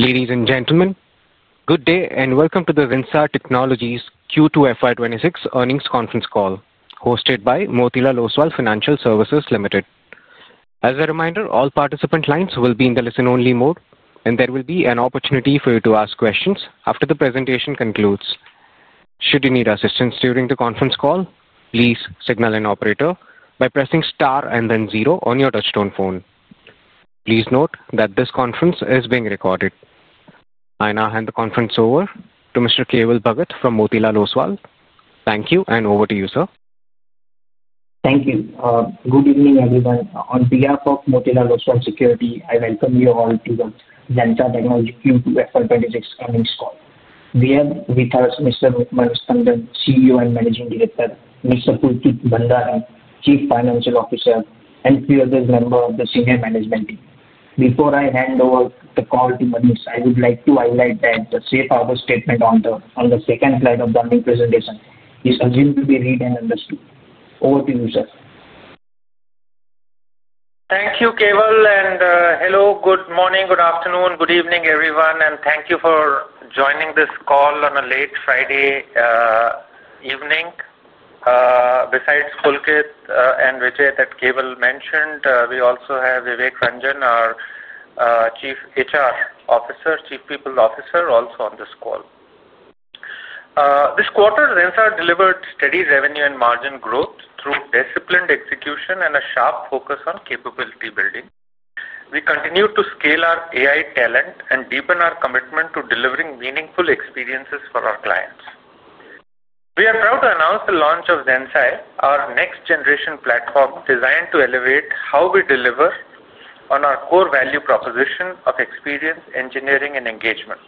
Ladies and gentlemen, good day and welcome to the Zensar Technologies Q2 FY26 earnings conference call, hosted by Motilal Oswal Financial Services Limited. As a reminder, all participant lines will be in the listen-only mode, and there will be an opportunity for you to ask questions after the presentation concludes. Should you need assistance during the conference call, please signal an operator by pressing star and then zero on your touch-tone phone. Please note that this conference is being recorded. I now hand the conference over to Mr. Kaval Bhargava from Motilal Oswal. Thank you, and over to you, sir. Thank you. Good evening, everyone. On behalf of Motilal Oswal Financial Services Limited, I welcome you all to the Zensar Technologies Q2 FY26 earnings call. We have with us Mr. Manish Tandon, CEO and Managing Director, Mr. Pulkit Bhandari, Chief Financial Officer, and a few other members of the senior management team. Before I hand over the call to Manish, I would like to highlight that the safe harbor statement on the second slide of the earnings presentation is assumed to be read and understood. Over to you, sir. Thank you, Kaval. Hello, good morning, good afternoon, good evening, everyone. Thank you for joining this call on a late Friday evening. Besides Pulkit and Vijay that Kaval mentioned, we also have Vivek Ranjan, our Chief People Officer, also on this call. This quarter, Zensar Technologies delivered steady revenue and margin growth through disciplined execution and a sharp focus on capability building. We continue to scale our AI talent and deepen our commitment to delivering meaningful experiences for our clients. We are proud to announce the launch of the Zensai platform, our next-generation platform designed to elevate how we deliver on our core value proposition of experience, engineering, and engagement.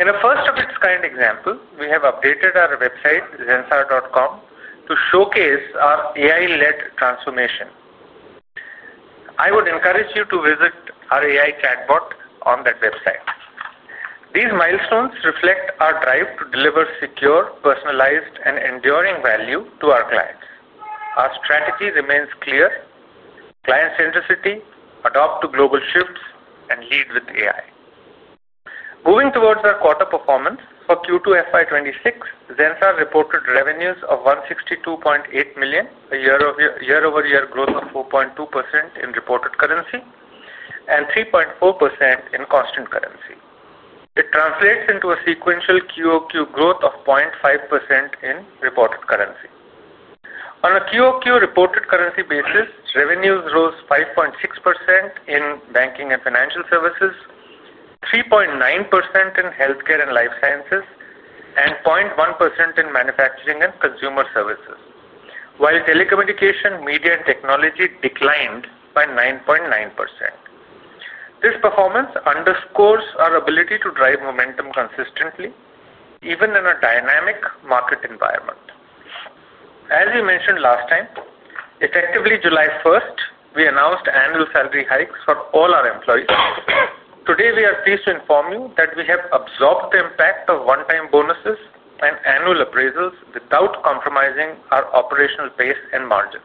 In a first-of-its-kind example, we have updated our website, zensar.com, to showcase our AI-led transformation. I would encourage you to visit our AI chatbot on that website. These milestones reflect our drive to deliver secure, personalized, and enduring value to our clients. Our strategy remains clear: client-centricity, adapt to global shifts, and lead with AI. Moving towards our quarter performance, for Q2 FY2026, Zensar Technologies reported revenues of $162.8 million, a year-over-year growth of 4.2% in reported currency and 3.4% in constant currency. It translates into a sequential QOQ growth of 0.5% in reported currency. On a QOQ reported currency basis, revenues rose 5.6% in banking and financial services, 3.9% in healthcare and life sciences, and 0.1% in manufacturing and consumer services, while telecommunication, media, and technology declined by 9.9%. This performance underscores our ability to drive momentum consistently, even in a dynamic market environment. As we mentioned last time, effectively July 1, we announced annual salary hikes for all our employees. Today, we are pleased to inform you that we have absorbed the impact of one-time bonuses and annual appraisals without compromising our operational base and margins.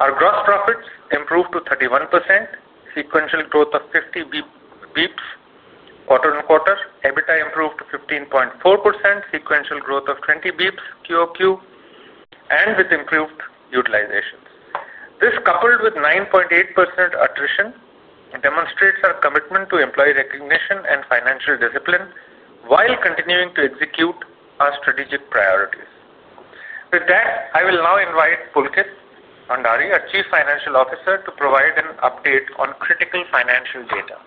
Our gross profit margins improved to 31%, sequential growth of 50 bps quarter-on-quarter. EBITDA improved to 15.4%, sequential growth of 20 bps QOQ, and with improved utilization. This, coupled with 9.8% attrition, demonstrates our commitment to employee recognition and financial discipline while continuing to execute our strategic priorities. With that, I will now invite Pulkit Bhandari, our Chief Financial Officer, to provide an update on critical financial data.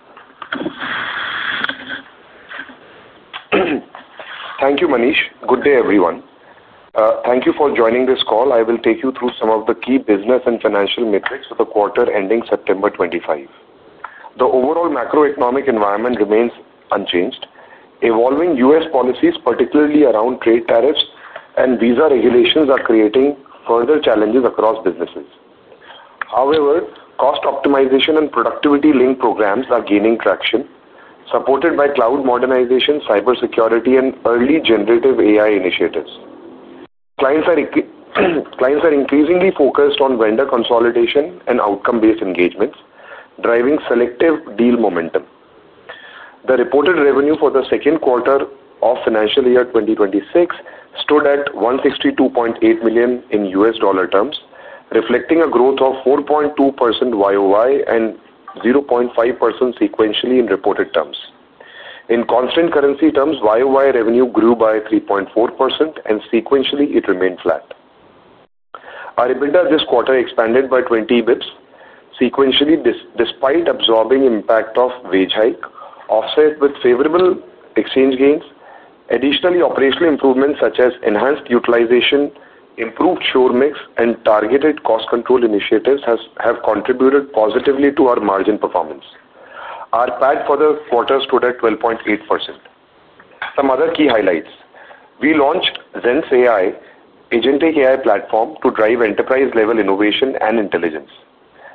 Thank you, Manish. Good day, everyone. Thank you for joining this call. I will take you through some of the key business and financial metrics for the quarter ending September 25. The overall macroeconomic environment remains unchanged. Evolving U.S. policies, particularly around trade tariffs and visa regulations, are creating further challenges across businesses. However, cost optimization and productivity-linked programs are gaining traction, supported by cloud modernization, cybersecurity, and early generative AI initiatives. Clients are increasingly focused on vendor consolidation and outcome-based engagements, driving selective deal momentum. The reported revenue for the second quarter of financial year 2026 stood at $162.8 million, reflecting a growth of 4.2% YOY and 0.5% sequentially in reported terms. In constant currency terms, YOY revenue grew by 3.4%, and sequentially, it remained flat. Our EBITDA this quarter expanded by 20 bps sequentially, despite absorbing the impact of wage hikes, offset with favorable exchange gains. Additionally, operational improvements such as enhanced utilization, improved shore mix, and targeted cost control initiatives have contributed positively to our margin performance. Our PAT for the quarter stood at 12.8%. Some other key highlights: we launched Zensai platform, a next-generation AI platform to drive enterprise-level innovation and intelligence.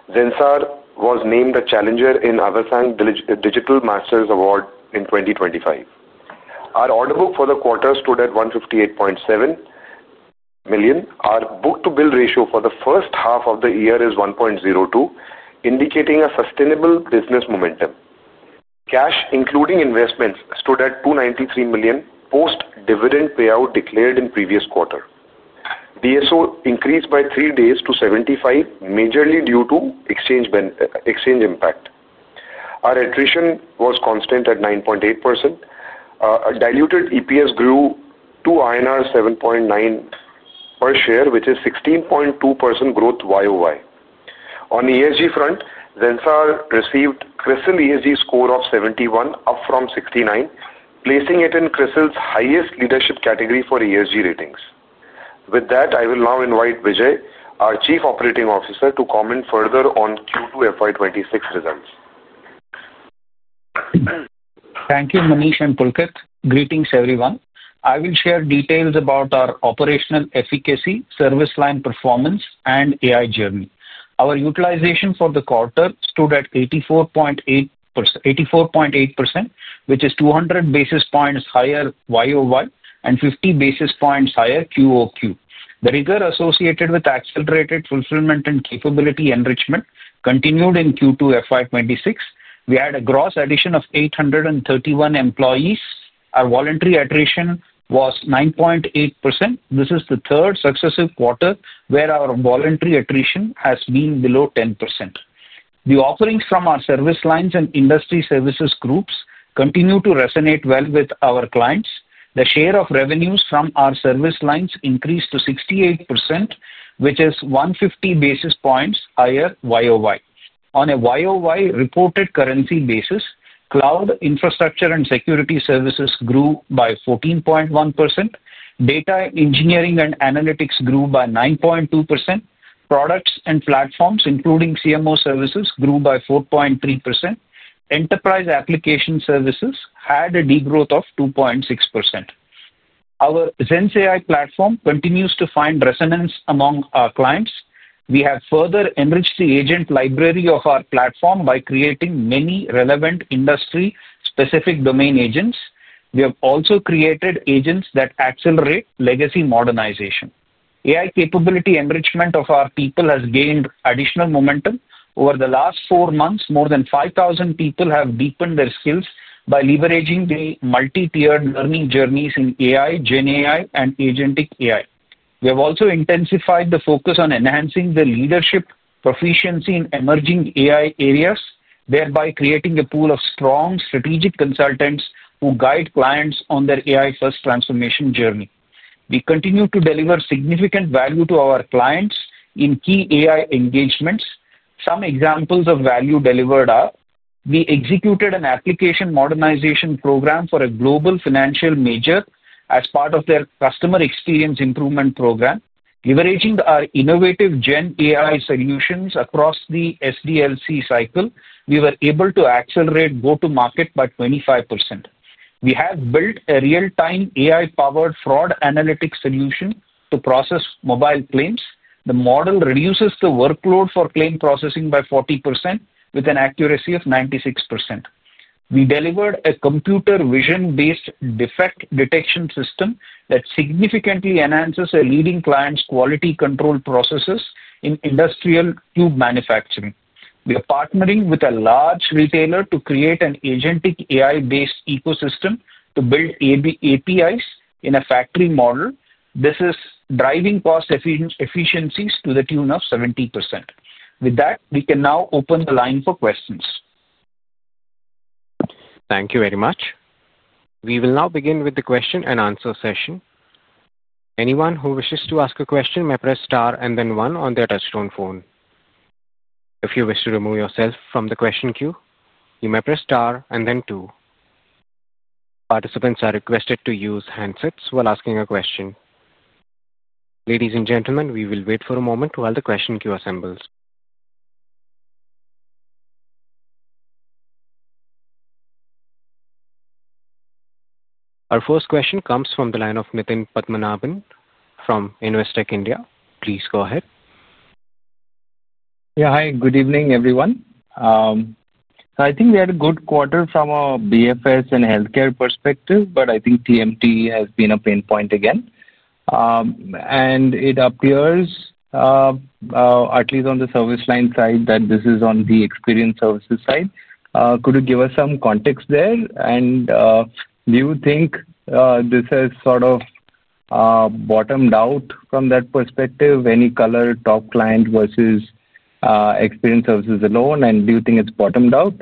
Zensar Technologies was named a challenger in the Avasant Digital Masters Award in 2025. Our order book for the quarter stood at $158.7 million. Our book-to-bill ratio for the first half of the year is 1.02, indicating a sustainable business momentum. Cash, including investments, stood at $293 million post-dividend payout declared in the previous quarter. DSO increased by three days to 75, majorly due to exchange impact. Our attrition was constant at 9.8%. Diluted EPS grew to 7.9 per share, which is 16.2% growth YOY. On the ESG front, Zensar Technologies received CRISIL ESG score of 71, up from 69, placing it in CRISIL's highest leadership category for ESG ratings. With that, I will now invite Vijay, our Chief Operating Officer, to comment further on Q2 FY26 results. Thank you, Manish and Pulkit. Greetings, everyone. I will share details about our operational efficacy, service line performance, and AI journey. Our utilization for the quarter stood at 84.8%, which is 200 basis points higher year over year and 50 basis points higher quarter over quarter. The rigor associated with accelerated fulfillment and capability enrichment continued in Q2 FY26. We had a gross addition of 831 employees. Our voluntary attrition was 9.8%. This is the third successive quarter where our voluntary attrition has been below 10%. The offerings from our service lines and industry services groups continue to resonate well with our clients. The share of revenues from our service lines increased to 68%, which is 150 basis points higher year over year. On a year over year reported currency basis, cloud infrastructure and security services grew by 14.1%. Data engineering and analytics grew by 9.2%. Products and platforms, including CMO services, grew by 4.3%. Enterprise application services had a degrowth of 2.6%. Our Zens AI platform continues to find resonance among our clients. We have further enriched the agent library of our platform by creating many relevant industry-specific domain agents. We have also created agents that accelerate legacy modernization. AI capability enrichment of our people has gained additional momentum. Over the last four months, more than 5,000 people have deepened their skills by leveraging the multi-tiered learning journeys in AI, GenAI, and agentic AI. We have also intensified the focus on enhancing the leadership proficiency in emerging AI areas, thereby creating a pool of strong strategic consultants who guide clients on their AI-first transformation journey. We continue to deliver significant value to our clients in key AI engagements. Some examples of value delivered are: we executed an application modernization program for a global financial major as part of their customer experience improvement program. Leveraging our innovative GenAI solutions across the SDLC cycle, we were able to accelerate go-to-market by 25%. We have built a real-time AI-powered fraud analytics solution to process mobile claims. The model reduces the workload for claim processing by 40%, with an accuracy of 96%. We delivered a computer vision-based defect detection system that significantly enhances a leading client's quality control processes in industrial tube manufacturing. We are partnering with a large retailer to create an agentic AI-based ecosystem to build APIs in a factory model. This is driving cost efficiencies to the tune of 70%. With that, we can now open the line for questions. Thank you very much. We will now begin with the question-and-answer session. Anyone who wishes to ask a question may press star and then one on their touchstone phone. If you wish to remove yourself from the question queue, you may press star and then two. Participants are requested to use handsets while asking a question. Ladies and gentlemen, we will wait for a moment while the question queue assembles. Our first question comes from the line of Nitin Padmanabhan from Investec India. Please go ahead. Hi. Good evening, everyone. I think we had a good quarter from a BFS and healthcare perspective, but I think TMT has been a pain point again. It appears, at least on the service line side, that this is on the experience services side. Could you give us some context there? Do you think this has sort of bottomed out from that perspective? Any color top client versus experience services alone? Do you think it's bottomed out?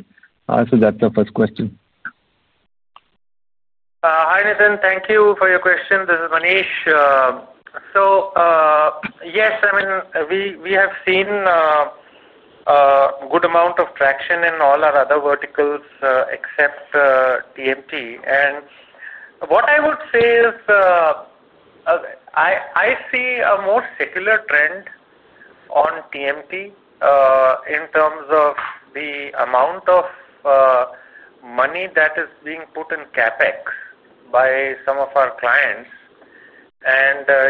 That's the first question. Hi, Nithin. Thank you for your question. This is Manish. Yes, I mean, we have seen a good amount of traction in all our other verticals except TMT. What I would say is I see a more secular trend on TMT in terms of the amount of money that is being put in CapEx by some of our clients.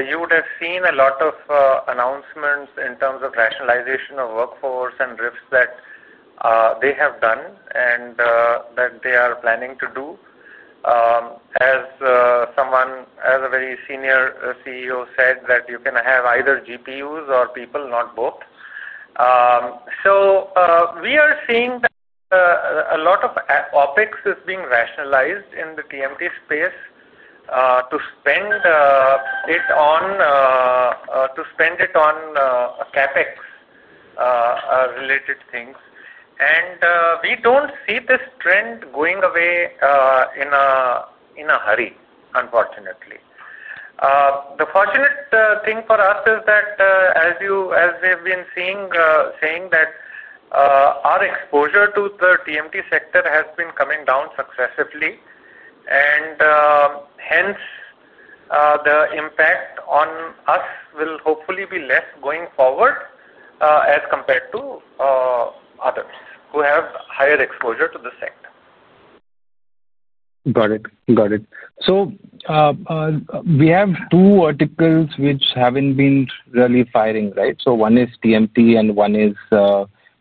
You would have seen a lot of announcements in terms of rationalization of workforce and rifts that they have done and that they are planning to do. As a very senior CEO said, you can have either GPUs or people, not both. We are seeing that a lot of OpEx is being rationalized in the TMT space to spend it on CapEx related things. We don't see this trend going away in a hurry, unfortunately. The fortunate thing for us is that, as we have been saying, our exposure to the TMT sector has been coming down successively. Hence, the impact on us will hopefully be less going forward as compared to others who have higher exposure to the sector. Got it. We have two verticals which haven't been really firing, right? One is TMT and one is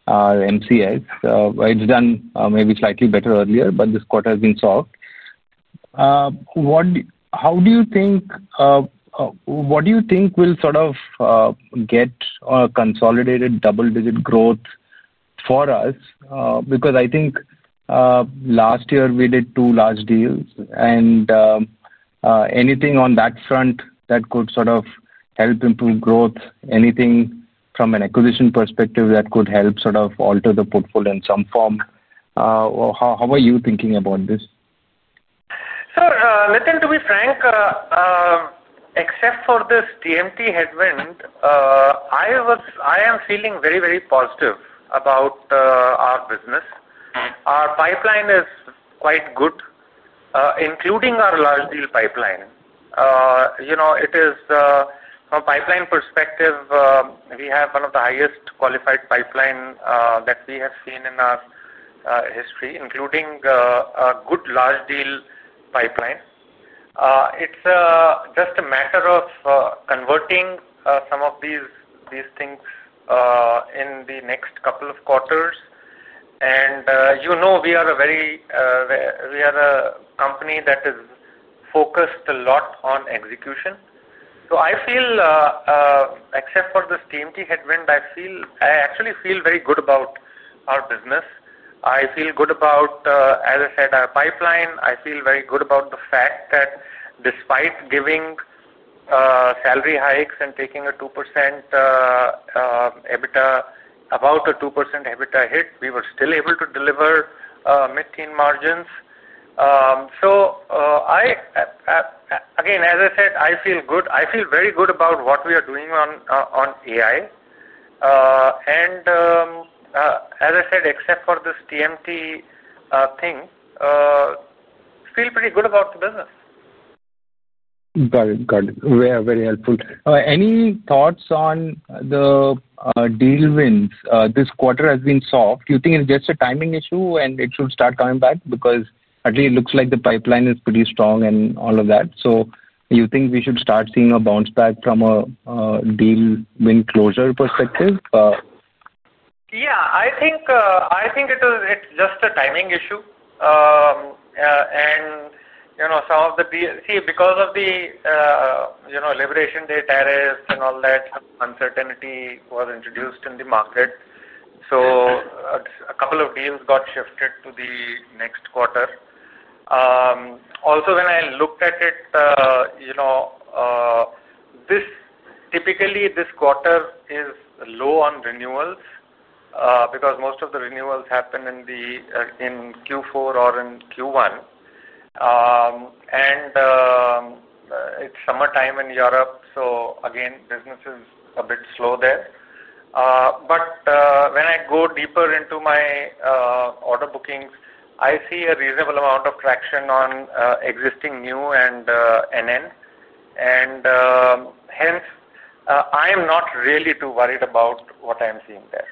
MCS. It's done maybe slightly better earlier, but this quarter has been soft. What do you think will sort of get a consolidated double-digit growth for us? I think last year we did two large deals. Anything on that front that could help improve growth, anything from an acquisition perspective that could help alter the portfolio in some form? How are you thinking about this? Nitin, to be frank, except for this TMT headwind, I am feeling very, very positive about our business. Our pipeline is quite good, including our large deal pipeline. From a pipeline perspective, we have one of the highest qualified pipelines that we have seen in our history, including a good large deal pipeline. It's just a matter of converting some of these things in the next couple of quarters. We are a company that is focused a lot on execution. I feel, except for this TMT headwind, I actually feel very good about our business. I feel good about, as I said, our pipeline. I feel very good about the fact that despite giving salary hikes and taking a 2% EBITDA hit, we were still able to deliver MITIN margins. Again, as I said, I feel good. I feel very good about what we are doing on AI. As I said, except for this TMT thing, I feel pretty good about the business. Got it. Very helpful. Any thoughts on the deal wins? This quarter has been soft. Do you think it's just a timing issue and it should start coming back? At least it looks like the pipeline is pretty strong and all of that. Do you think we should start seeing a bounce back from a deal win closure perspective? Yeah, I think it's just a timing issue. Some of the—see, because of the Liberation Day tariffs and all that, uncertainty was introduced in the market. A couple of deals got shifted to the next quarter. Also, when I looked at it, typically this quarter is low on renewals because most of the renewals happen in Q4 or in Q1. It's summertime in Europe, so again, business is a bit slow there. When I go deeper into my order bookings, I see a reasonable amount of traction on existing new and NN. Hence, I am not really too worried about what I'm seeing there.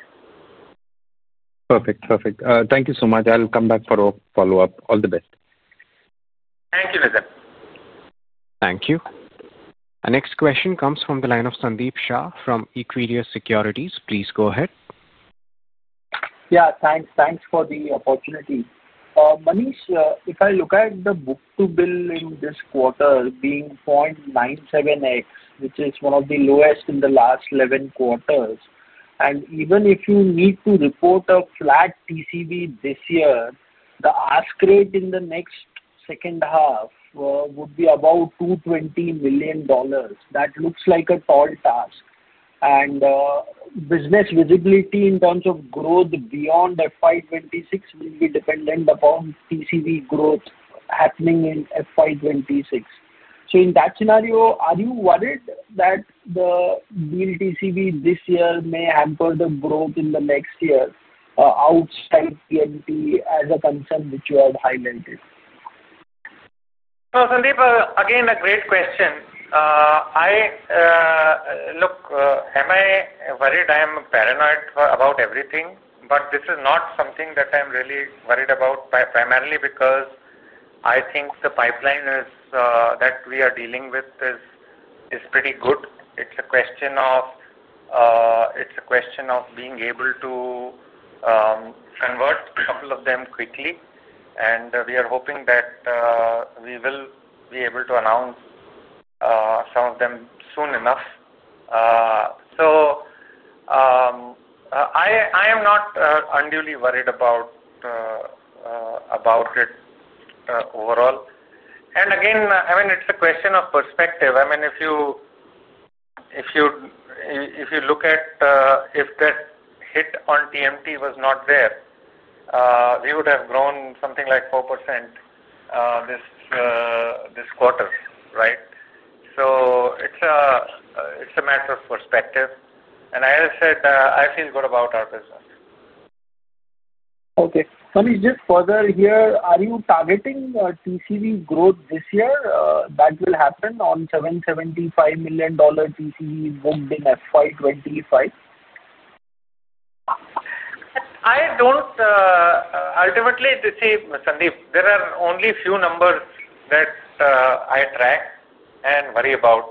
Perfect. Thank you so much. I'll come back for a follow-up. All the best. Thank you, Nitin. Thank you. Our next question comes from the line of Sandeep Saran from HDFC Securities. Please go ahead. Thanks for the opportunity. Manish, if I look at the book-to-bill in this quarter being 0.97x, which is one of the lowest in the last 11 quarters, and even if you need to report a flat TCV this year, the ask rate in the next second half would be about $220 million. That looks like a tall task. Business visibility in terms of growth beyond FY2026 will be dependent upon TCV growth happening in FY2026. In that scenario, are you worried that the deal TCV this year may hamper the growth in the next year, outside TMT as a concern that you have highlighted? Sandeep, again, a great question. Am I worried? I am paranoid about everything, but this is not something that I'm really worried about, primarily because I think the pipeline that we are dealing with is pretty good. It's a question of being able to convert a couple of them quickly, and we are hoping that we will be able to announce some of them soon enough. I am not unduly worried about it overall. Again, I mean, it's a question of perspective. I mean, if you look at if that hit on TMT was not there, we would have grown something like 4% this quarter, right? It's a matter of perspective, and as I said, I feel good about our business. Okay, Manish, just further here, are you targeting TCV growth this year that will happen on $775 million TCV booked in FY2025? Ultimately, see, Sandeep, there are only a few numbers that I track and worry about.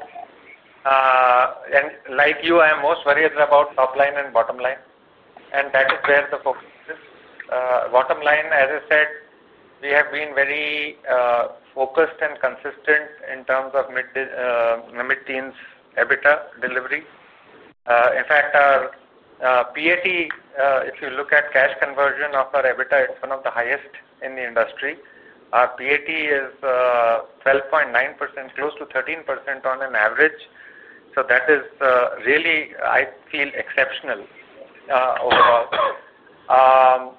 Like you, I am most worried about top line and bottom line. That is where the focus is. Bottom line, as I said, we have been very focused and consistent in terms of Zensar Technologies' EBITDA delivery. In fact, our PAT, if you look at cash conversion of our EBITDA, it's one of the highest in the industry. Our PAT is 12.9%, close to 13% on an average. That is really, I feel, exceptional overall.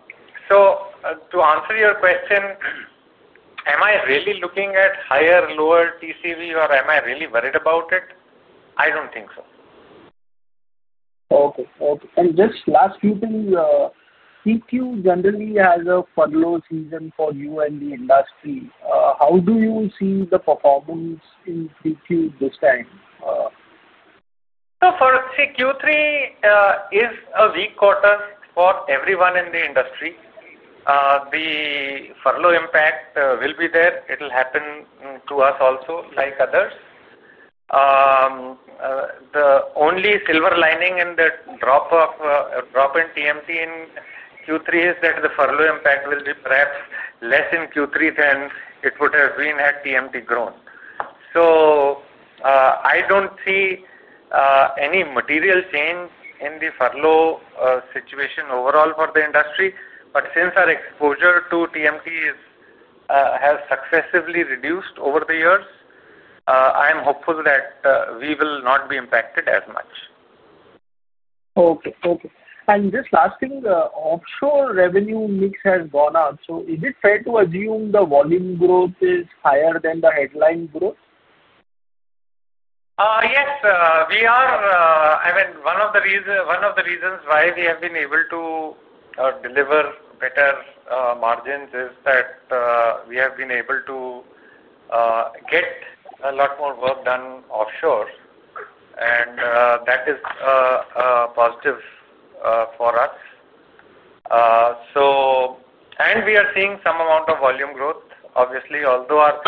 To answer your question, am I really looking at higher or lower TCV, or am I really worried about it? I don't think so. Okay. Okay. Just last few things. PQ generally has a furlough season for you and the industry. How do you see the performance in PQ this time? For Q3, it is a weak quarter for everyone in the industry. The furlough impact will be there. It'll happen to us also, like others. The only silver lining in the drop in TMT in Q3 is that the furlough impact will be perhaps less in Q3 than it would have been had TMT grown. I don't see any material change in the furlough situation overall for the industry. Since our exposure to TMT has successively reduced over the years, I am hopeful that we will not be impacted as much. Okay. Okay. Just last thing, offshore revenue mix has gone up. Is it fair to assume the volume growth is higher than the headline growth? Yes. I mean, one of the reasons why we have been able to deliver better margins is that we have been able to get a lot more work done offshore. That is a positive for us, and we are seeing some amount of volume growth, obviously. Although our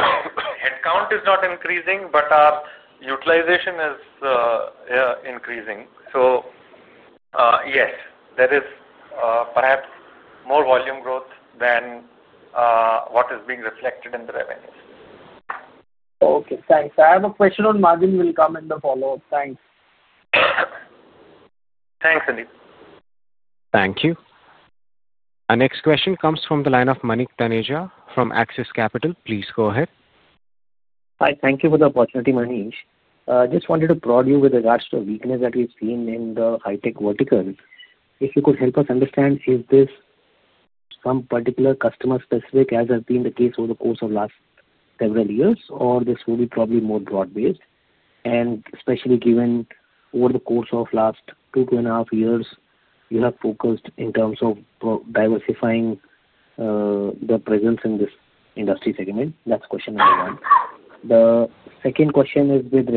headcount is not increasing, our utilization is increasing. Yes, there is perhaps more volume growth than what is being reflected in the revenues. Okay, thanks. I have a question on margin, will come in the follow-up. Thanks. Thanks, Sandeep. Thank you. Our next question comes from the line of Manik Tenaja from Axis Capital. Please go ahead. Hi. Thank you for the opportunity, Manish. Just wanted to prod you with regards to the weakness that we've seen in the high-tech vertical. If you could help us understand, is this some particular customer-specific, as has been the case over the course of the last several years, or this will be probably more broad-based? Especially given over the course of the last two to two and a half years, you have focused in terms of diversifying the presence in this industry segment. That's question number one. The second question is with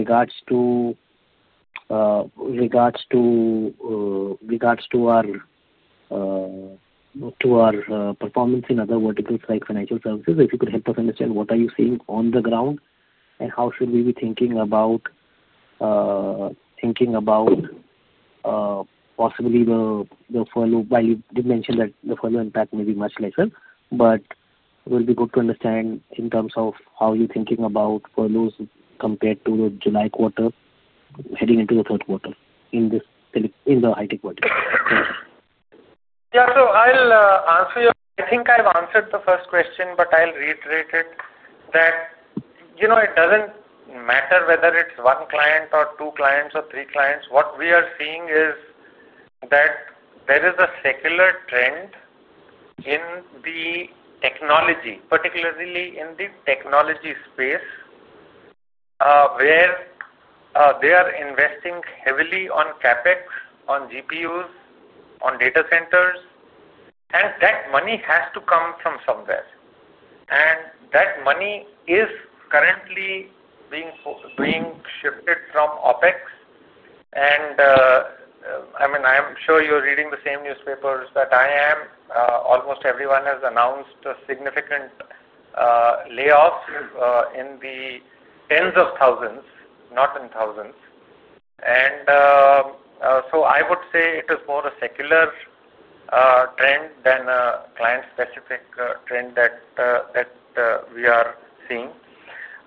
regards to our performance in other verticals like financial services. If you could help us understand, what are you seeing on the ground, and how should we be thinking about possibly the furlough? You mentioned that the furlough impact may be much lesser, but it would be good to understand in terms of how you're thinking about furloughs compared to the July quarter heading into the third quarter in the high-tech vertical. Thank you. Yeah. I'll answer your—I think I've answered the first question, but I'll reiterate it. It doesn't matter whether it's one client or two clients or three clients. What we are seeing is that there is a secular trend in the technology, particularly in the technology space, where they are investing heavily on CapEx, on GPUs, on data centers. That money has to come from somewhere, and that money is currently being shifted from OpEx. I mean, I am sure you're reading the same newspapers that I am. Almost everyone has announced a significant layoff in the tens of thousands, not in thousands. I would say it is more a secular trend than a client-specific trend that we are seeing.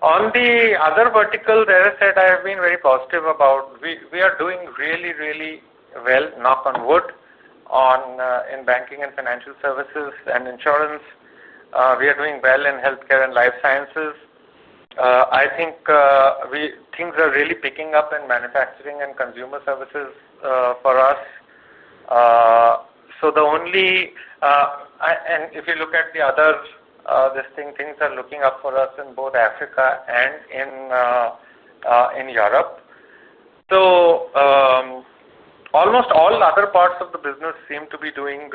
On the other vertical, as I said, I have been very positive about—we are doing really, really well, knock on wood, in banking and financial services and insurance. We are doing well in healthcare and life sciences. I think things are really picking up in manufacturing and consumer services for us. If you look at the other, this thing, things are looking up for us in both Africa and in Europe. Almost all other parts of the business seem to be doing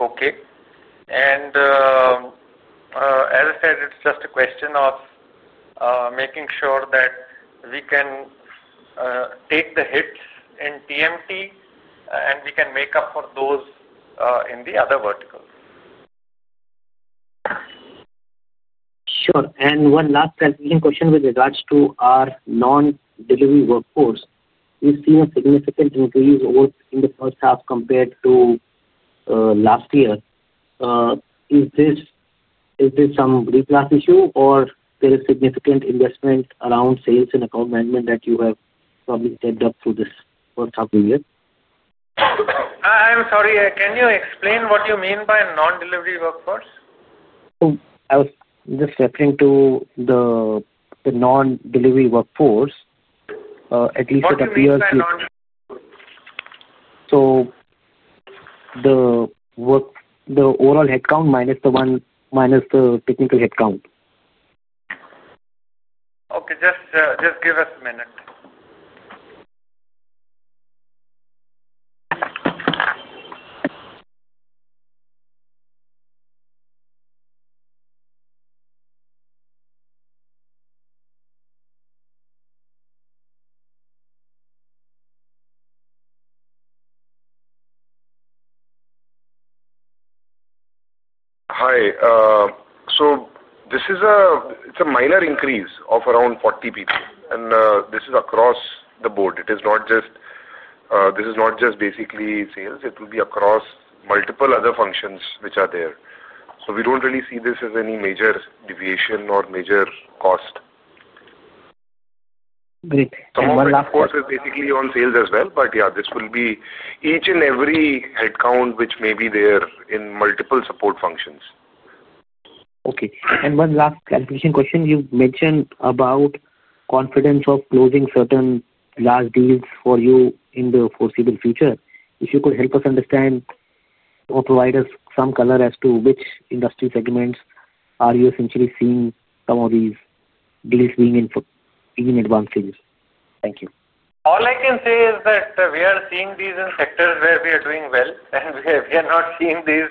okay. As I said, it's just a question of making sure that we can take the hits in TMT and we can make up for those in the other verticals. Sure. One last question with regards to our non-delivery workforce. We've seen a significant increase in the first half compared to last year. Is this some reclass issue, or is there significant investment around sales and account management that you have probably stepped up through this first half of the year? I'm sorry. Can you explain what you mean by non-delivery workforce? I was just referring to the non-delivery workforce. At least it appears to. The overall headcount minus the technical headcount. Okay, just give us a minute. Hi. This is a minor increase of around 40 people, and this is across the board. It is not just basically sales. It will be across multiple other functions which are there. We don't really see this as any major deviation or major cost. Great. One last question. Our workforce is basically on sales as well. This will be each and every headcount which may be there in multiple support functions. Okay. One last question. You mentioned about confidence of closing certain large deals for you in the foreseeable future. If you could help us understand or provide us some color as to which industry segments are you essentially seeing some of these deals being in advancing. Thank you. All I can say is that we are seeing these in sectors where we are doing well, and we are not seeing these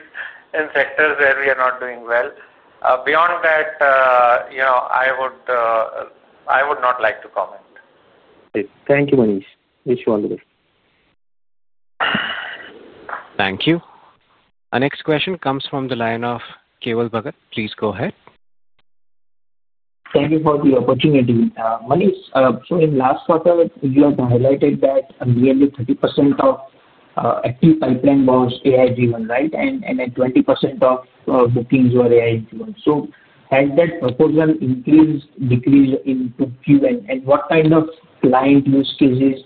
in sectors where we are not doing well. Beyond that, I would not like to comment. Thank you, Manish. Wish you all the best. Thank you. Our next question comes from the line of Keval Bhagat. Please go ahead. Thank you for the opportunity. Manish, in the last quarter, you have highlighted that nearly 30% of active pipeline was AI-driven, right? Then 20% of bookings were AI-driven. Has that proposal increased or decreased in PQN? What kind of client use cases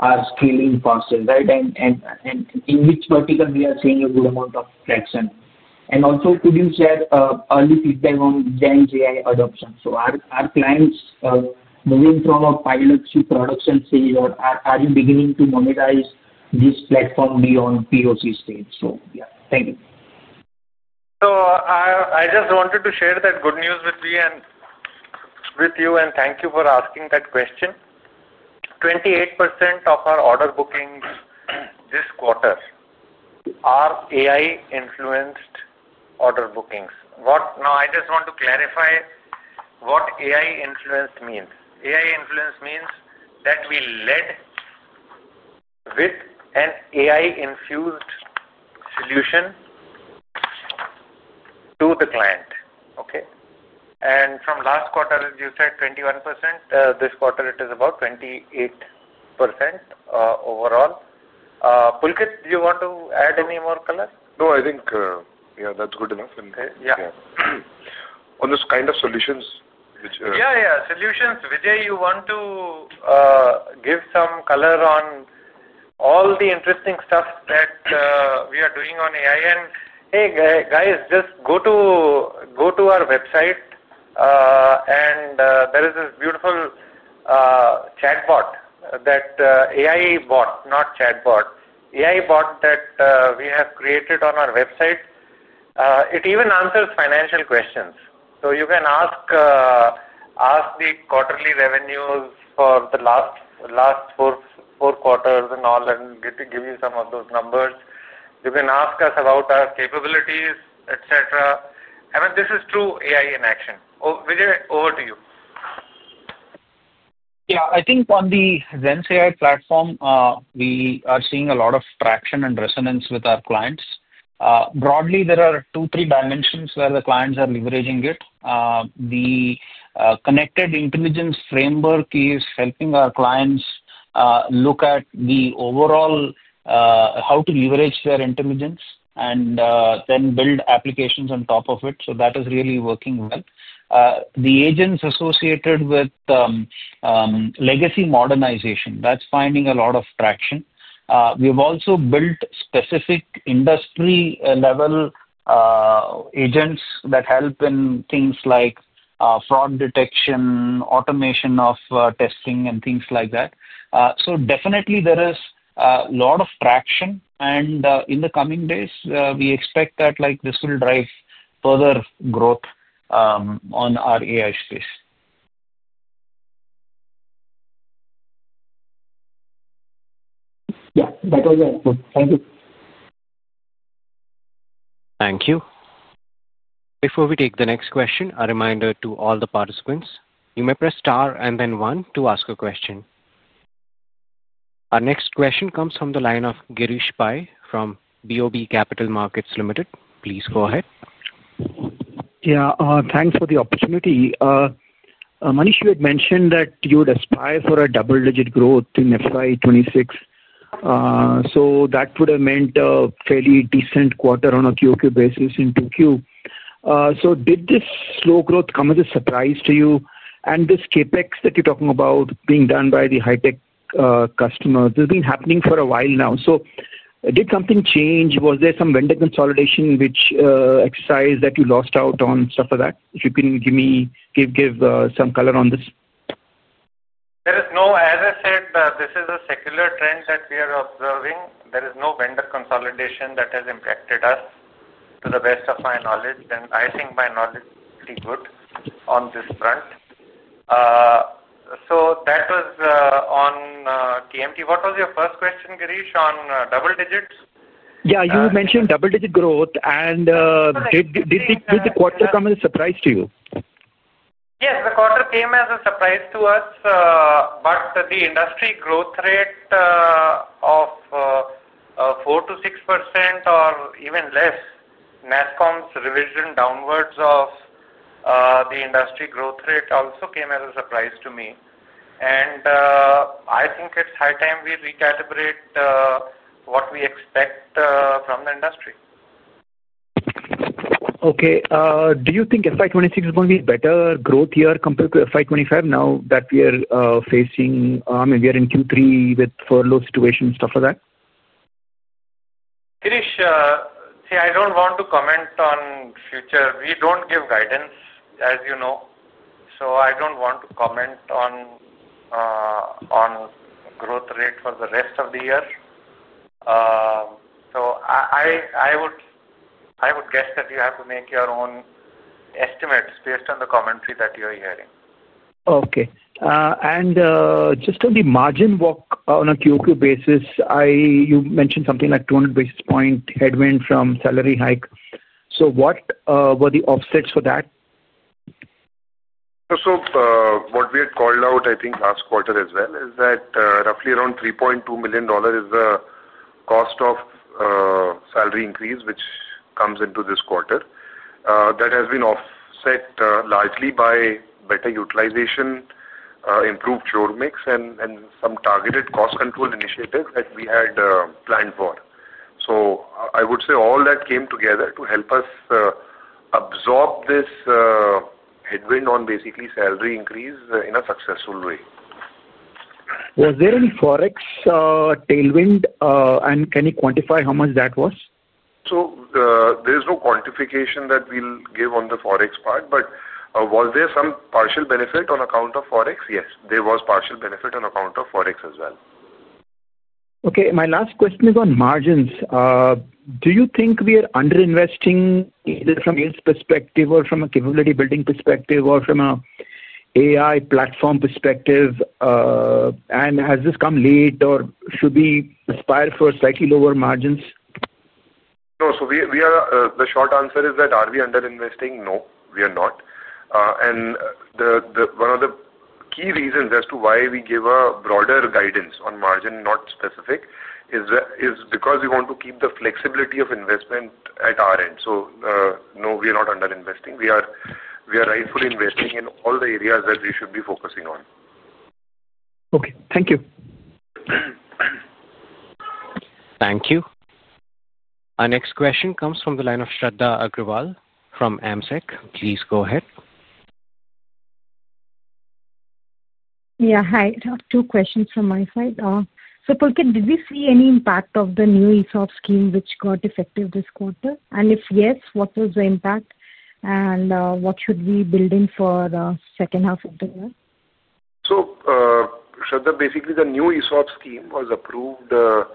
are scaling faster, right? In which vertical are we seeing a good amount of traction? Also, could you share early feedback on Zens AI adoption? Are clients moving from a pilot to production stage, or are you beginning to monetize this platform beyond POC stage? Thank you. I just wanted to share that good news with you. Thank you for asking that question. 28% of our order bookings this quarter are AI-influenced order bookings. I just want to clarify what AI-influenced means. AI-influenced means that we led with an AI-infused solution to the client. From last quarter, as you said, 21%. This quarter, it is about 28% overall. Pulkit, do you want to add any more color? No, I think that's good enough. On those kind of solutions, which— Yeah, yeah. Solutions. Vijay, you want to give some color on all the interesting stuff that we are doing on AI? Hey, guys, just go to our website, and there is this beautiful AI bot that we have created on our website. It even answers financial questions. You can ask the quarterly revenues for the last four quarters and all and give you some of those numbers. You can ask us about our capabilities, etc. I mean, this is true AI in action. Vijay, over to you. Yeah. I think on the Zensai platform, we are seeing a lot of traction and resonance with our clients. Broadly, there are two, three dimensions where the clients are leveraging it. The connected intelligence framework is helping our clients look at the overall, how to leverage their intelligence and then build applications on top of it. That is really working well. The agents associated with legacy modernization, that's finding a lot of traction. We have also built specific industry-level agents that help in things like fraud detection, automation of testing, and things like that. There is a lot of traction. In the coming days, we expect that this will drive further growth on our AI space. Yeah, that was very helpful. Thank you. Thank you. Before we take the next question, a reminder to all the participants. You may press star and then one to ask a question. Our next question comes from the line of Girish Pai from BOB Capital Markets Limited. Please go ahead. Yeah. Thanks for the opportunity. Manish, you had mentioned that you would aspire for a double-digit growth in FY2026. That would have meant a fairly decent quarter on a QQ basis in the previous quarter. Did this slow growth come as a surprise to you? This CapEx that you're talking about being done by the high-tech customers has been happening for a while now. Did something change? Was there some vendor consolidation exercise that you lost out on, stuff like that? If you can give me some color on this. There is no. As I said, this is a secular trend that we are observing. There is no vendor consolidation that has impacted us to the best of my knowledge. I think my knowledge is pretty good on this front. That was on TMT. What was your first question, Girish, on double digits? You mentioned double-digit growth. Did the quarter come as a surprise to you? Yes. The quarter came as a surprise to us. The industry growth rate of 4% to 6% or even less, NASSCOM's revision downwards of the industry growth rate also came as a surprise to me. I think it's high time we recalibrate what we expect from the industry. Okay. Do you think FY 2026 is going to be a better growth year compared to FY 2025 now that we are facing, I mean, we are in Q3 with furlough situation, stuff like that? Girish, see, I don't want to comment on the future. We don't give guidance, as you know. I don't want to comment on growth rate for the rest of the year. I would guess that you have to make your own estimates based on the commentary that you're hearing. Okay. Just on the margin walk on a QQ basis, you mentioned something like 200 basis point headwind from salary hike. What were the offsets for that? What we had called out, I think, last quarter as well, is that roughly around $3.2 million is the cost of salary increase, which comes into this quarter. That has been offset largely by better utilization, improved chore mix, and some targeted cost control initiatives that we had planned for. I would say all that came together to help us absorb this headwind on basically salary increase in a successful way. Was there any Forex tailwind? Can you quantify how much that was? There is no quantification that we'll give on the Forex part. There was some partial benefit on account of Forex. Yes, there was partial benefit on account of Forex as well. Okay. My last question is on margins. Do you think we are underinvesting either from a perspective or from a capability building perspective or from an AI platform perspective? Has this come late, or should we aspire for slightly lower margins? No, the short answer is that, are we underinvesting? No, we are not. One of the key reasons as to why we give a broader guidance on margin, not specific, is because we want to keep the flexibility of investment at our end. No, we are not underinvesting. We are rightfully investing in all the areas that we should be focusing on. Okay, thank you. Thank you. Our next question comes from the line of Shradha Agrawal from AmSec. Please go ahead. Yeah. Hi. Two questions from my side. Pulkit, did we see any impact of the new ESOP scheme which got effective this quarter? If yes, what was the impact? What should we build in for the second half of the year? Shradha, basically, the new ESOP scheme was approved in the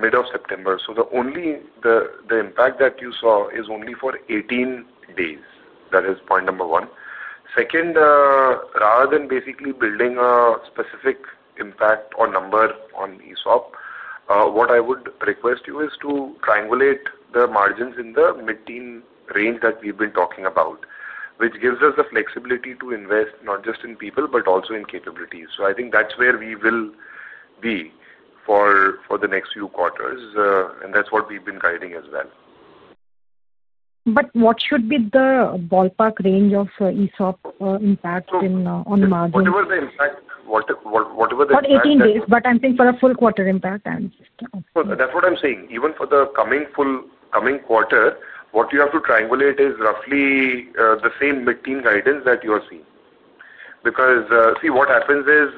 middle of September. The impact that you saw is only for 18 days. That is point number one. Second, rather than basically building a specific impact or number on ESOP, what I would request you is to triangulate the margins in the mid-teen range that we've been talking about, which gives us the flexibility to invest not just in people, but also in capabilities. I think that's where we will be for the next few quarters, and that's what we've been guiding as well. What should be the ballpark range of ESOP impact on margins? Whatever the impact, whatever the impact. For 18 days, I'm saying for a full quarter impact. That's what I'm saying. Even for the coming quarter, what you have to triangulate is roughly the same mid-teen guidance that you are seeing. Because, see, what happens is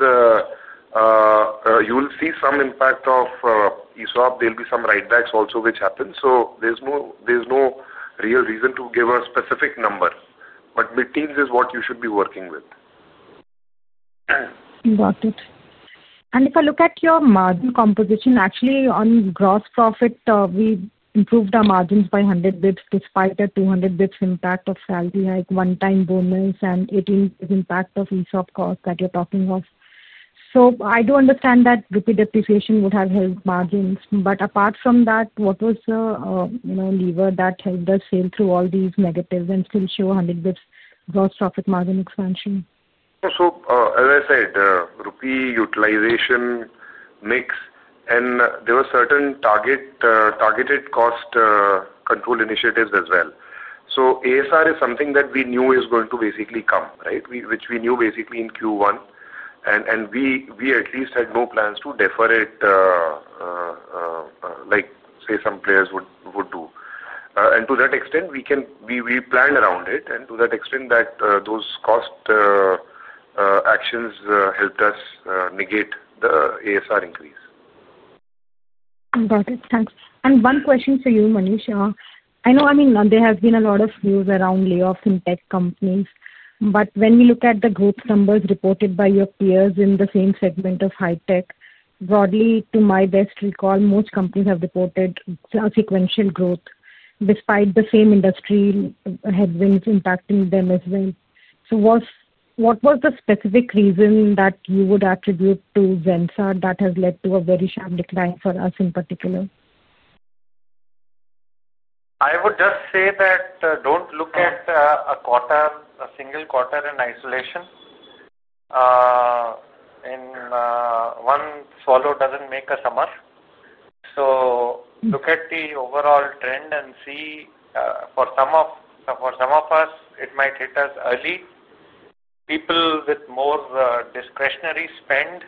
you'll see some impact of ESOP. There will be some right backs also, which happens. There's no real reason to give a specific number. Mid-teens is what you should be working with. Got it. If I look at your margin composition, actually, on gross profit, we improved our margins by 100 bps despite a 200 bps impact of salary hike, one-time bonus, and 18 bps impact of ESOP cost that you're talking of. I do understand that repeat depreciation would have helped margins. Apart from that, what was the lever that helped us sail through all these negatives and still show 100 bps gross profit margin expansion? As I said, repeat utilization, mix, and there were certain targeted cost control initiatives as well. ASR is something that we knew is going to basically come, right? Which we knew basically in Q1. We at least had no plans to defer it, like say some players would do. To that extent, we planned around it. To that extent, those cost actions helped us negate the ASR increase. Got it. Thanks. One question for you, Manish. I know, I mean, there has been a lot of news around layoffs in tech companies. When we look at the growth numbers reported by your peers in the same segment of high tech, broadly, to my best recall, most companies have reported sequential growth despite the same industry headwinds impacting them as well. What was the specific reason that you would attribute to Zensar that has led to a very sharp decline for us in particular? I would just say that don't look at a single quarter in isolation. One swallow doesn't make a summer. Look at the overall trend and see for some of us, it might hit us early. People with more discretionary spend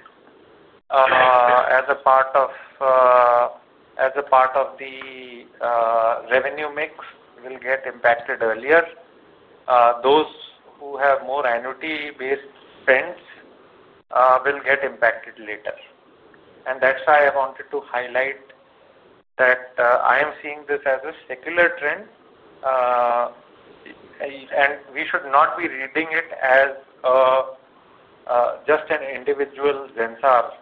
as a part of the revenue mix will get impacted earlier. Those who have more annuity-based spends will get impacted later. That's why I wanted to highlight that I am seeing this as a secular trend. We should not be reading it as just an individual Zensar Technologies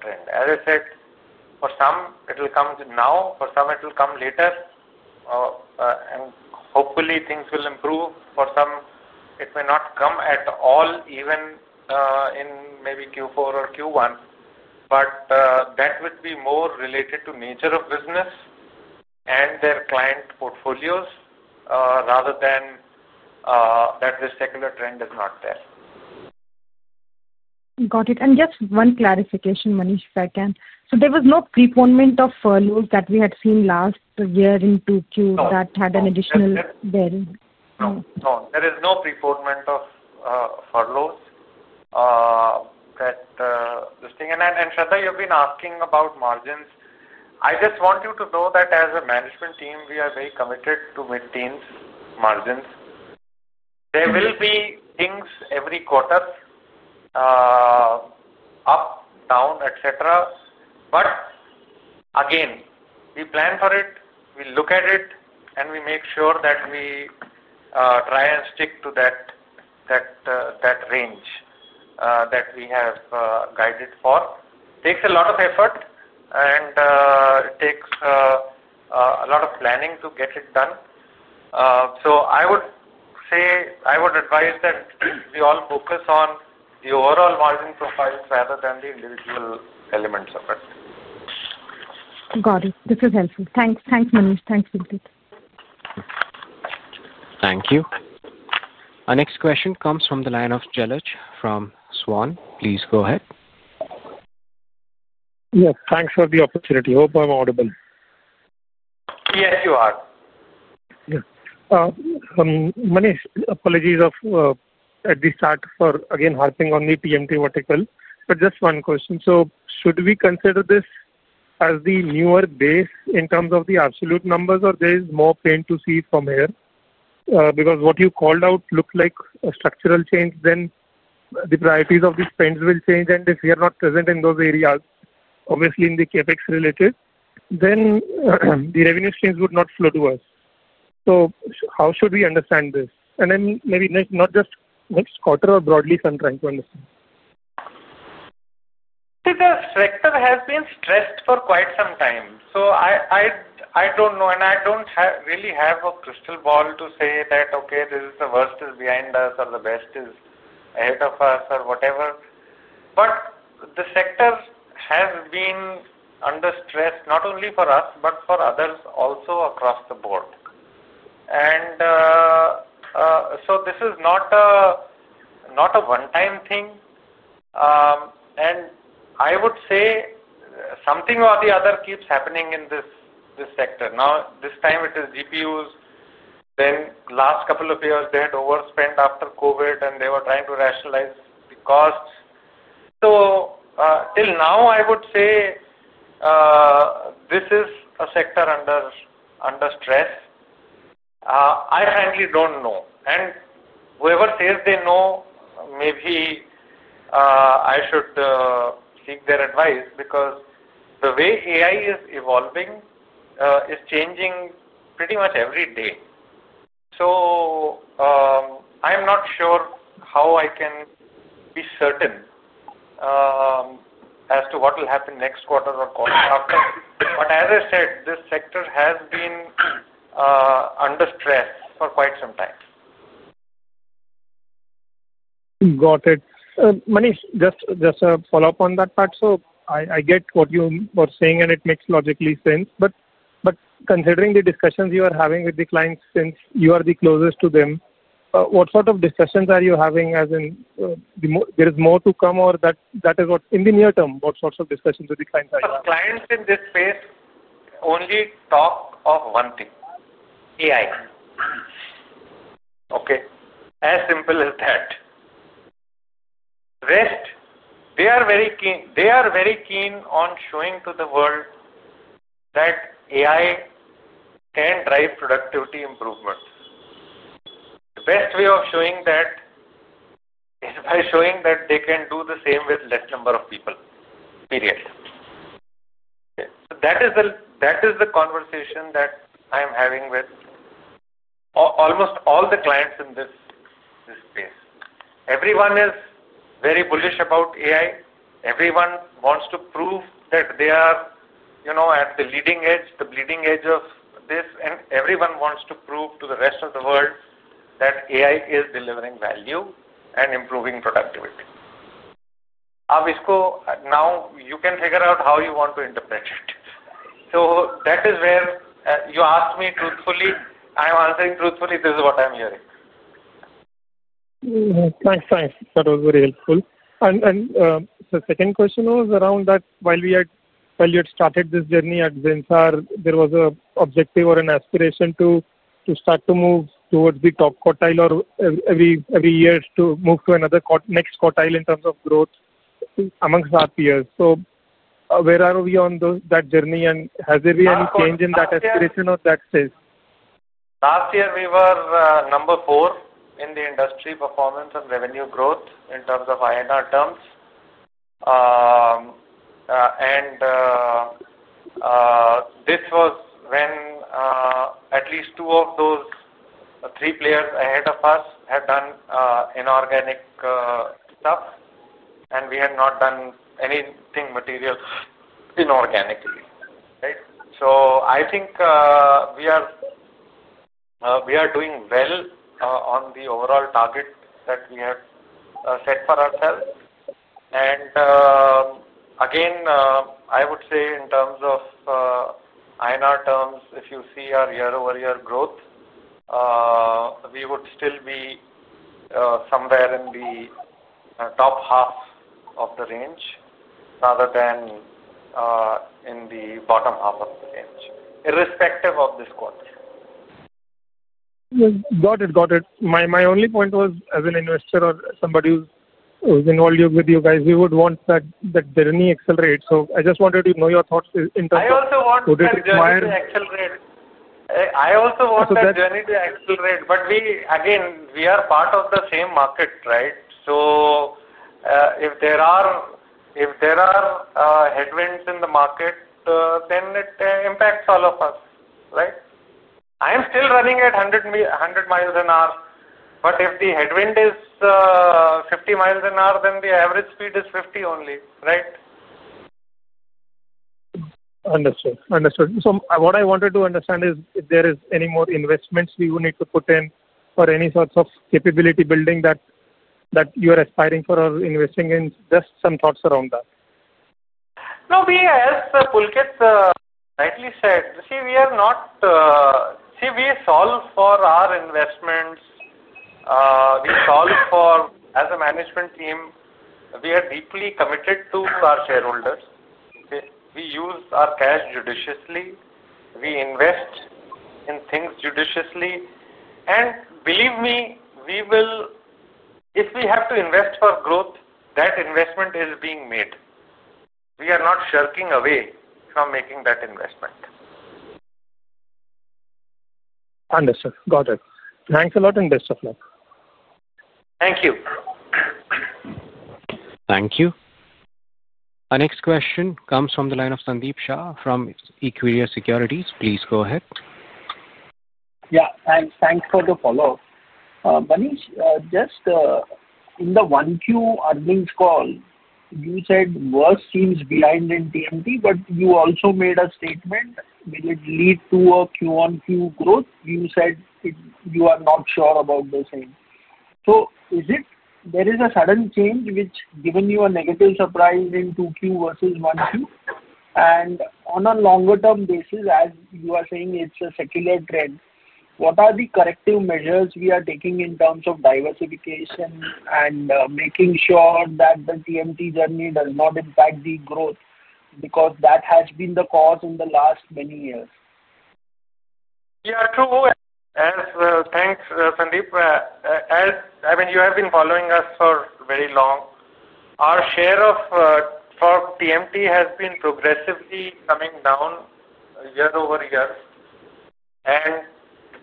trend. As I said, for some, it will come now. For some, it will come later. Hopefully, things will improve. For some, it may not come at all, even in maybe Q4 or Q1. That would be more related to the nature of business and their client portfolios rather than that this secular trend is not there. Got it. Just one clarification, Manish, if I can. There was no preponement of furloughs that we had seen last year in PQ that had an additional bearing? No, there is no preponement of furloughs. Shraddha, you've been asking about margins. I just want you to know that as a management team, we are very committed to mid-teens margins. There will be things every quarter, up, down, etc. Again, we plan for it, we look at it, and we make sure that we try and stick to that range that we have guided for. It takes a lot of effort, and it takes a lot of planning to get it done. I would say I would advise that we all focus on the overall margin profile rather than the individual elements of it. Got it. This is helpful. Thanks. Thanks, Manish. Thanks, Pulkit. Thank you. Our next question comes from the line of Jalaj from Swan. Please go ahead. Yes, thanks for the opportunity. Hope I'm audible. Yes, you are. Yeah. Manish, apologies at the start for, again, harping on the TMT vertical. Just one question. Should we consider this as the newer base in terms of the absolute numbers, or is there more pain to see from here? What you called out looked like a structural change. The priorities of these trends will change. If we are not present in those areas, obviously in the CapEx related, the revenue streams would not flow to us. How should we understand this? Maybe not just next quarter, but broadly, I am trying to understand. The sector has been stressed for quite some time. I don't know, and I don't really have a crystal ball to say that, okay, the worst is behind us or the best is ahead of us or whatever. The sector has been under stress, not only for us, but for others also across the board. This is not a one-time thing. I would say something or the other keeps happening in this sector. This time it is GPUs. In the last couple of years, they had overspent after COVID, and they were trying to rationalize the cost. Till now, I would say this is a sector under stress. I frankly don't know. Whoever says they know, maybe I should seek their advice because the way artificial intelligence is evolving is changing pretty much every day. I'm not sure how I can be certain as to what will happen next quarter or the quarter after. As I said, this sector has been under stress for quite some time. Got it. Manish, just a follow-up on that part. I get what you were saying, and it makes logical sense. Considering the discussions you are having with the clients since you are the closest to them, what sort of discussions are you having? Is there more to come, or is that what in the near term? What sorts of discussions with the clients are you having? Clients in this space only talk of one thing: AI. As simple as that. They are very keen on showing to the world that AI can drive productivity improvements. The best way of showing that is by showing that they can do the same with less number of people. Period. That is the conversation that I'm having with almost all the clients in this space. Everyone is very bullish about AI. Everyone wants to prove that they are at the leading edge, the bleeding edge of this. Everyone wants to prove to the rest of the world that AI is delivering value and improving productivity. You can figure out how you want to interpret it. That is where you asked me truthfully. I'm answering truthfully. This is what I'm hearing. Thanks. That was very helpful. The second question was around that while you had started this journey at Zensar, there was an objective or an aspiration to start to move towards the top quartile or every year to move to another next quartile in terms of growth amongst our peers. Where are we on that journey? Has there been any change in that aspiration or that phase? Last year, we were number four in the industry performance and revenue growth in terms of INR. This was when at least two of those three players ahead of us had done inorganic stuff, and we had not done anything material inorganically. I think we are doing well on the overall target that we have set for ourselves. Again, I would say in terms of INR, if you see our year-over-year growth, we would still be somewhere in the top half of the range rather than in the bottom half of the range, irrespective of this quarter. Got it. My only point was, as an investor or somebody who's in volume with you guys, we would want that journey accelerate. I just wanted to know your thoughts in terms of. I also want that journey to accelerate. I also want that journey to accelerate. We are part of the same market, right? If there are headwinds in the market, it impacts all of us, right? I'm still running at 100 miles an hour. If the headwind is 50 miles an hour, then the average speed is 50 only, right? Understood. What I wanted to understand is if there is any more investments we would need to put in for any sorts of capability building that you are aspiring for or investing in, just some thoughts around that. Pulkit rightly said. We solve for our investments. We solve for, as a management team, we are deeply committed to our shareholders. We use our cash judiciously. We invest in things judiciously. Believe me, we will. If we have to invest for growth, that investment is being made. We are not shirking away from making that investment. Understood. Got it. Thanks a lot and best of luck. Thank you. Thank you. Our next question comes from the line of Sandeep Saran from Equirus Securities. Please go ahead. Thanks for the follow-up. Manish, in the Q1 earnings call, you said worst seems behind in TMT, but you also made a statement. Will it lead to a Q1 Q growth? You said you are not sure about the same. Is it that there is a sudden change which has given you a negative surprise in Q2 versus Q1? On a longer-term basis, as you are saying, it's a secular trend. What are the corrective measures we are taking in terms of diversification and making sure that the TMT journey does not impact the growth? That has been the cause in the last many years. Yeah, true. Thanks, Sandeep. I mean, you have been following us for very long. Our share of TMT has been progressively coming down year over year.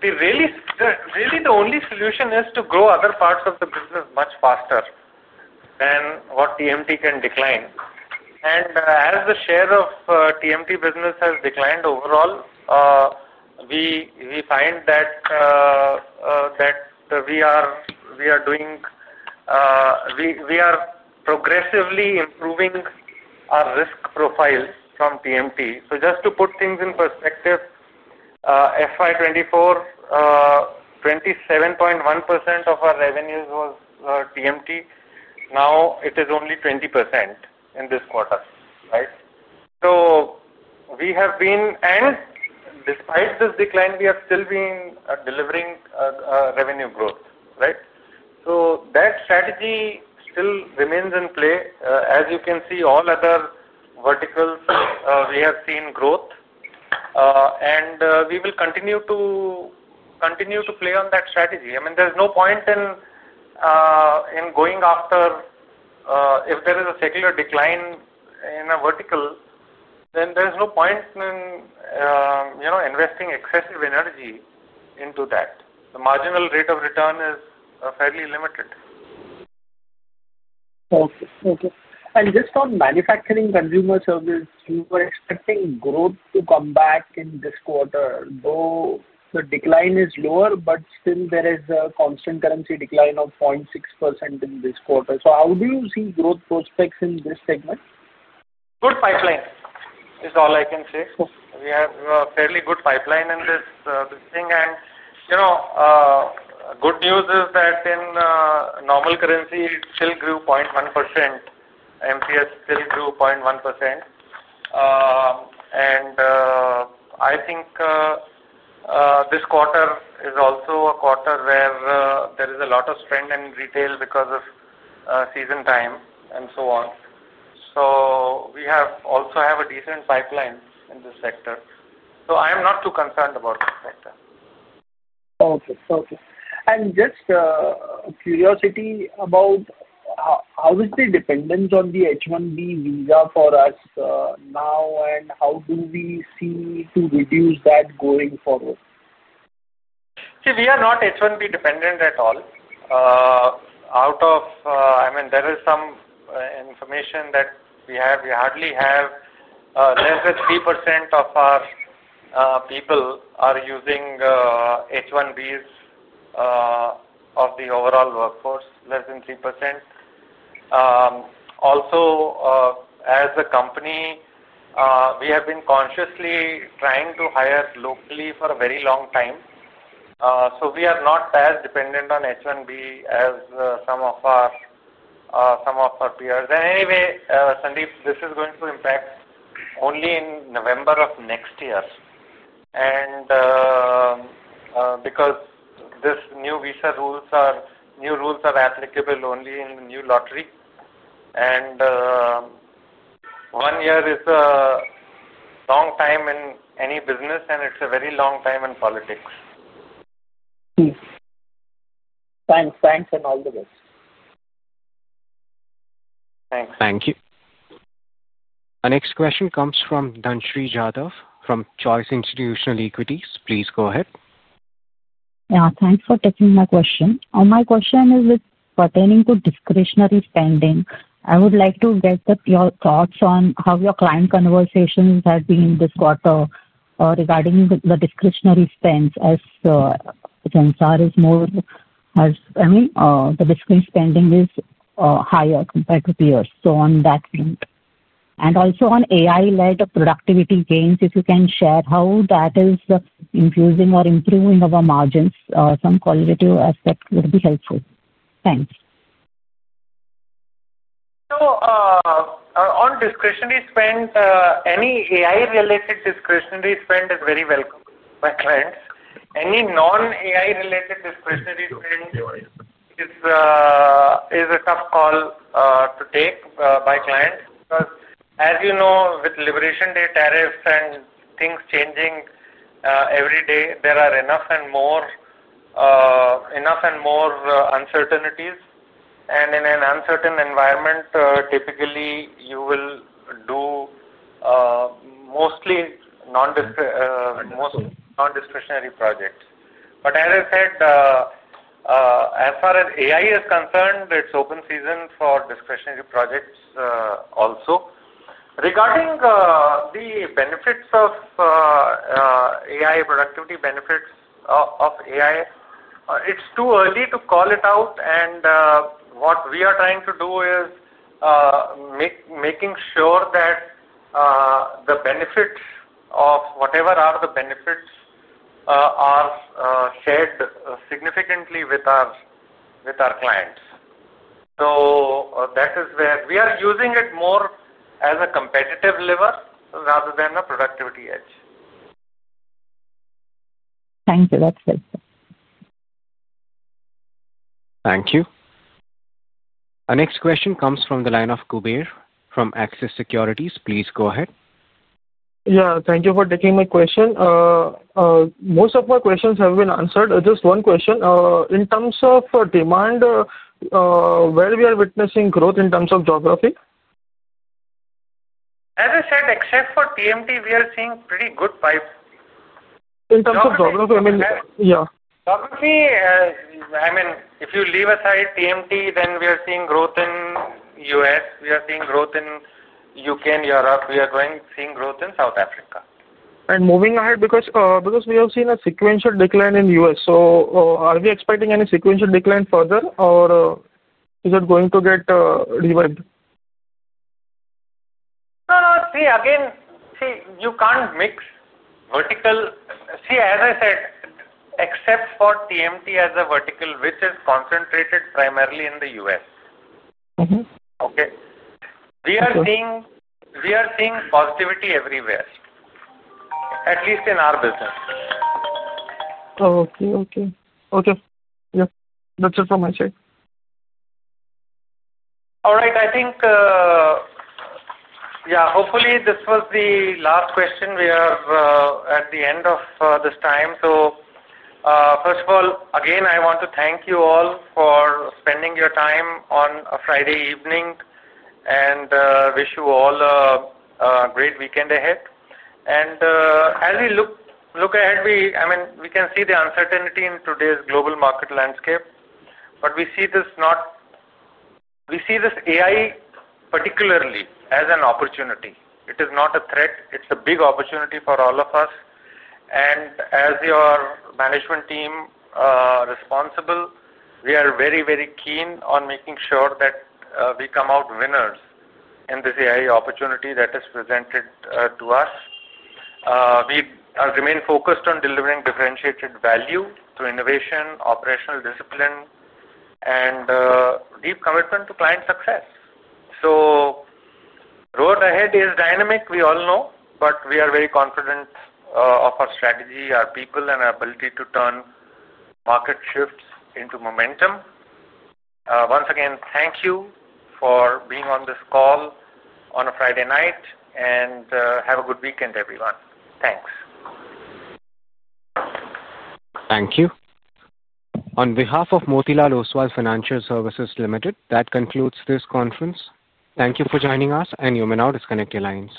The only solution is to grow other parts of the business much faster than what TMT can decline. As the share of TMT business has declined overall, we find that we are progressively improving our risk profile from TMT. Just to put things in perspective, FY2024, 27.1% of our revenues was TMT. Now it is only 20% in this quarter, right? We have been, and despite this decline, we have still been delivering revenue growth, right? That strategy still remains in play. As you can see, all other verticals, we have seen growth, and we will continue to play on that strategy. I mean, there's no point in going after, if there is a secular decline in a vertical, then there's no point in investing excessive energy into that. The marginal rate of return is fairly limited. Okay. Okay. Just on manufacturing, consumer service, you were expecting growth to come back in this quarter. Though the decline is lower, there is a constant currency decline of 0.6% in this quarter. How do you see growth prospects in this segment? Good pipeline is all I can say. We have a fairly good pipeline in this thing. Good news is that in normal currency, it still grew 0.1%. MPS still grew 0.1%. I think this quarter is also a quarter where there is a lot of strength in retail because of season time and so on. We also have a decent pipeline in this sector. I'm not too concerned about this sector. Okay. How is the dependence on the H1B visa for us now, and how do we see to reduce that going forward? See, we are not H1B dependent at all. There is some information that we have. We hardly have less than 3% of our people using H1Bs. Of the overall workforce, less than 3%. Also, as a company, we have been consciously trying to hire locally for a very long time. We are not as dependent on H1B as some of our peers. Sandeep, this is going to impact only in November of next year because these new visa rules are applicable only in the new lottery. One year is a long time in any business, and it's a very long time in politics. Thanks, thanks and all the best. Thanks. Thank you. Our next question comes from Dhanashree Jadhav from Choice Institutional Equities. Please go ahead. Yeah. Thanks for taking my question. My question is pertaining to discretionary spending. I would like to get your thoughts on how your client conversations have been this quarter regarding the discretionary spend as Zensar is more. I mean, the discretionary spending is higher compared to peers. On that point, also on AI-led productivity gains, if you can share how that is infusing or improving our margins, some qualitative aspect would be helpful. Thanks. On discretionary spend, any AI-related discretionary spend is very welcome by clients. Any non-AI-related discretionary spend is a tough call to take by clients because, as you know, with Liberation Day tariffs and things changing every day, there are enough and more uncertainties. In an uncertain environment, typically, you will do mostly non-discretionary projects. As I said, as far as AI is concerned, it's open season for discretionary projects also. Regarding the benefits of AI, productivity benefits of AI, it's too early to call it out. What we are trying to do is making sure that the benefits of whatever are the benefits are shared significantly with our clients. That is where we are using it more as a competitive lever rather than a productivity edge. Thank you. That's it. Thank you. Our next question comes from the line of Kuber from HDFC Securities. Please go ahead. Thank you for taking my question. Most of my questions have been answered. Just one question. In terms of demand, where are we witnessing growth in terms of geography? As I said, except for TMT, we are seeing pretty good pipe. In terms of geography, I mean, yeah. Geography, I mean, if you leave aside TMT, we are seeing growth in the U.S. We are seeing growth in the U.K. and Europe. We are going to see growth in South Africa. Moving ahead, because we have seen a sequential decline in the U.S., are we expecting any sequential decline further, or is it going to get revived? See, you can't mix vertical. As I said, except for TMT as a vertical, which is concentrated primarily in the U.S., we are seeing positivity everywhere, at least in our business. Okay. Yeah. That's it from my side. All right. Hopefully, this was the last question. We are at the end of this time. First of all, again, I want to thank you all for spending your time on a Friday evening and wish you all a great weekend ahead. As we look ahead, we can see the uncertainty in today's global market landscape. We see this AI particularly as an opportunity. It is not a threat. It's a big opportunity for all of us. As your management team, we are very, very keen on making sure that we come out winners in this AI opportunity that is presented to us. We remain focused on delivering differentiated value through innovation, operational discipline, and deep commitment to client success. The road ahead is dynamic, we all know, but we are very confident of our strategy, our people, and our ability to turn market shifts into momentum. Once again, thank you for being on this call on a Friday night, and have a good weekend, everyone. Thanks. Thank you. On behalf of Motilal Oswal Financial Services Limited, that concludes this conference. Thank you for joining us, and you may now disconnect your lines.